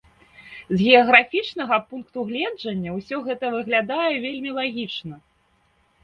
З геаграфічнага пункту гледжання ўсё гэта выглядае вельмі лагічна.